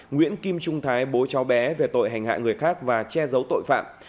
nguyễn kim trung thái bố cháu bé về tội hành hạ người khác và che giấu tội phạm